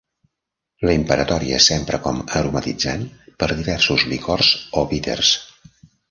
La imperatòria s'empra com aromatitzant per diversos licors o bíters.